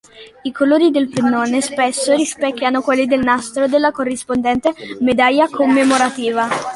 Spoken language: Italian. I colori del pennone spesso rispecchiano quelli del nastro della corrispondente medaglia commemorativa.